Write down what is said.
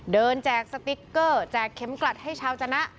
แจกสติ๊กเกอร์แจกเข็มกลัดให้ชาวจนะ